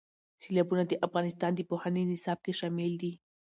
سیلابونه د افغانستان د پوهنې نصاب کې شامل دي.